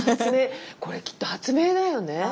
これきっと発明だよね。